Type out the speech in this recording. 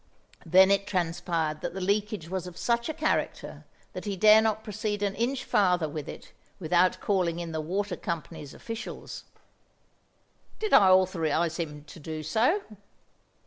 Then it transpired that the leakage was of such a character that he dare not proceed an inch farther with it without calling in the water company's officials. Did I authorise him to do so?